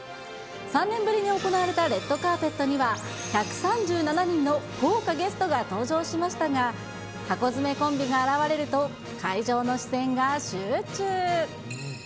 ３年ぶりに行われたレッドカーペットには、１３７人の豪華ゲストが登場しましたが、ハコヅメコンビが現れると会場の視線が集中。